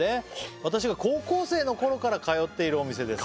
「私が高校生の頃から通っているお店です」